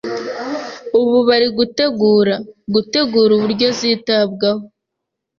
Ubu bari gutegura gutegura uburyo zitabwaho